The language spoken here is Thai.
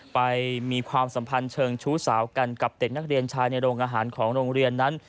ไปมีความสัมพันธ์เชิงชู้สาวกันกับเด็กนักเรียนชายในโรงอาหารของโรงเรียนนั้น